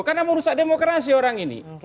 karena merusak demokrasi orang ini